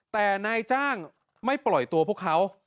แต่นายจ้างไม่ปล่อยตัวพวกเขา